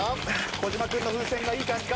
小島君の風船がいい感じか？